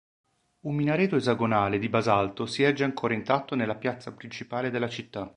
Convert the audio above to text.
Un minareto esagonale di basalto si erge ancora intatto nella piazza principale della città.